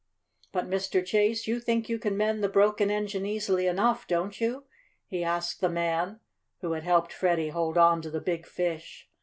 But, Mr. Chase, you think you can mend the broken engine easily enough, don't you?" he asked the man who had helped Freddie hold on to the big fish.